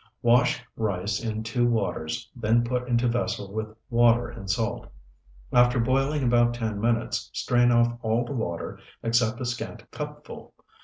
Wash rice in two waters, then put into vessel with water and salt. After boiling about ten minutes, strain off all the water except a scant cupful.